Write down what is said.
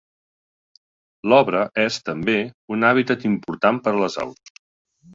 L'Obra és també un hàbitat important per a les aus.